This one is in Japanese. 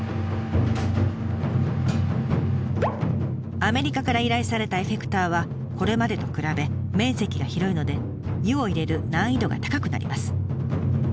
アメリカから依頼されたエフェクターはこれまでと比べ面積が広いので湯を入れる難易度が高くなります。